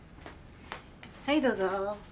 はいどうぞ。